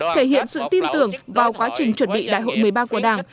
thể hiện sự tin tưởng vào quá trình chuẩn bị đại hội một mươi ba của đảng